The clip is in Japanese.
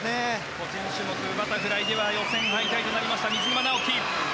個人種目バタフライでは予選敗退となりました水沼尚輝。